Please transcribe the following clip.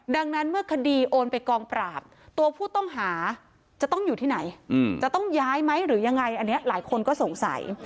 ดังนั้นเมื่อคดีโอนไปกองปราบตัวผู้ต้องหาจะต้องอยู่ที่ไหนจะต้องย้ายไหมหรือยังไงอันนี้หลายคนก็สงสัย